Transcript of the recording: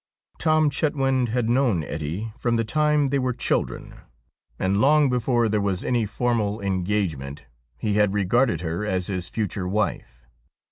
Tom Chetwynd had known Ettie from the time they were 4o STORIES WEIRD AND WONDERFUL children, and long before there was any formal engagement he had regarded her as his future wife.